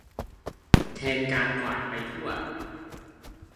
แทนการกวาดไปทั่ว